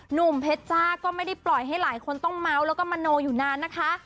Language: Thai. หนุ่มเพชรจ้าก็ไม่ได้ปล่อยให้หลายคนต้องเมาส์แล้วก็มโนอยู่นานนะคะ